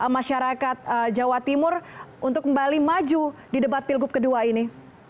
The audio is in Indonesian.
masyarakat jawa timur untuk kembali maju di debat pilgub kedua ini